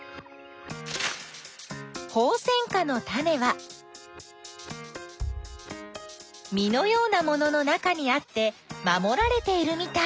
ホウセンカのタネは実のようなものの中にあって守られているみたい。